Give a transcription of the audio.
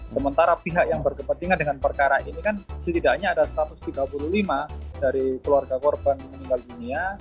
sementara pihak yang berkepentingan dengan perkara ini kan setidaknya ada satu ratus tiga puluh lima dari keluarga korban meninggal dunia